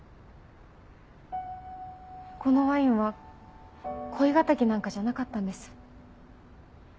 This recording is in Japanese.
このワインは恋敵なんかじゃなかったんです。